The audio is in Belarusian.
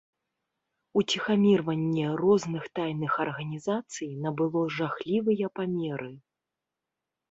Уціхамірванне розных тайных арганізацый набыло жахлівыя памеры.